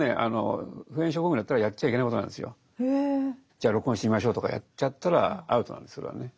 じゃあ録音してみましょうとかやっちゃったらアウトなんですそれはね。